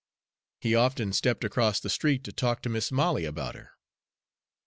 He often stepped across the street to talk to Mis' Molly about her.